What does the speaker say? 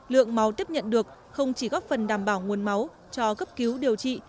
lượng máu tiếp nhận được không chỉ góp phần đảm bảo nguồn máu cho cấp cứu điều trị